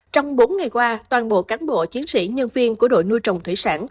trong bốn ngày qua toàn bộ cán bộ chiến sĩ nhân viên của đội nuôi trồng thủy sản